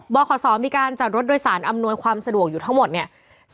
บขศมีการจัดรถโดยสารอำนวยความสะดวกอยู่ทั้งหมดเนี่ย